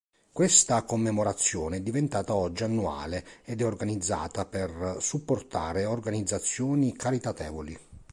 Questa commemorazione è diventata oggi annuale ed è organizzata per supportare organizzazioni caritatevoli.